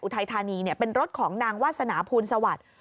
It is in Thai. ไทยธานีเป็นรถของนางวาสนาภูลสวัสดิ์